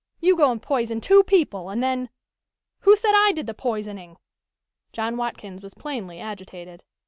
You go and poison two people and then " "Who said I did the poisoning?" John Watkins was plainly agitated.